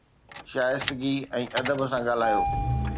شائستگي ۽ ادب سان ڳالهايو.